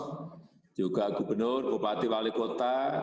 dan saya minta mensos juga gubernur bupati wali kota